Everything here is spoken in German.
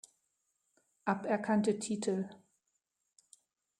Aberkannte Titel